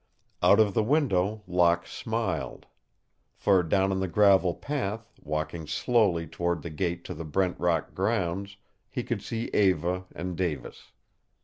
Out of the window Locke smiled. For, down on the gravel path, walking slowly toward the gate to the Brent Rock grounds, he could see Eva and Davis.